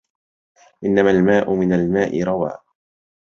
إنما الماء من الماء روى